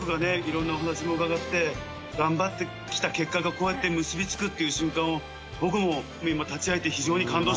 色んなお話も伺って頑張ってきた結果がこうやって結びつくっていう瞬間を僕も今立ち会えて非常に感動しております」